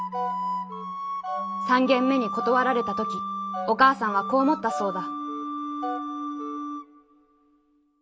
三軒目に断られた時お母さんはこう思ったそうだ」。